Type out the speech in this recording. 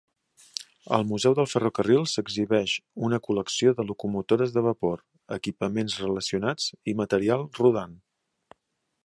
Al museu del ferrocarril s'exhibeix una col·lecció de locomotores de vapor, equipaments relacionats i material rodant.